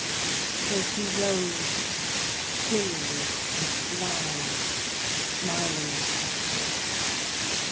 So she rose, stilly and blithe, smiling at him.